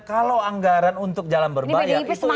kalau anggaran untuk jalan berbayar itu